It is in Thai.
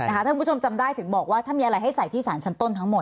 ถ้าคุณผู้ชมจำได้ถึงบอกว่าถ้ามีอะไรให้ใส่ที่สารชั้นต้นทั้งหมด